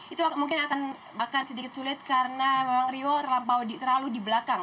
itu mungkin akan sedikit sulit karena memang rio terlampau terlalu di belakang